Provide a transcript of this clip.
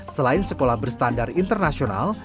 selain sekolah berstandar internasional